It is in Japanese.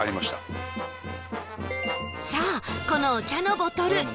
そうこのお茶のボトル